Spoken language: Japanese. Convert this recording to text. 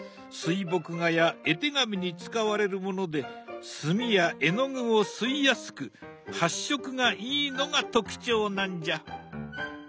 水墨画や絵手紙に使われるもので墨や絵の具を吸いやすく発色がいいのが特徴なんじゃ。